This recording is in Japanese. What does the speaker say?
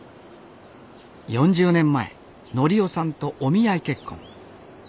４０年前則夫さんとお見合い結婚。